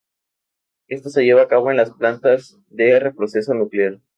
Esto se lleva a cabo en las plantas de reprocesado nuclear.